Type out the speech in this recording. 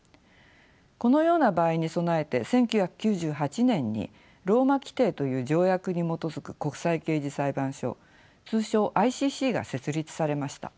このような場合に備えて１９９８年にローマ規程という条約に基づく国際刑事裁判所通称ＩＣＣが設立されました。